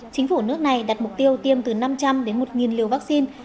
chính phủ nước này đặt mục tiêu tiêm từ năm trăm linh đến một liều vaccine